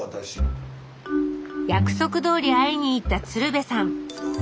約束どおり会いに行った鶴瓶さん。